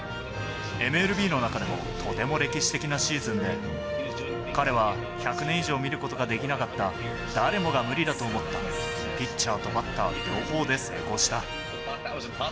ＭＬＢの中でもとても歴史的なシーズンで、彼は１００年以上見ることができなかった、誰もが無理だと思ったピッチャーとバッター両方で成功した。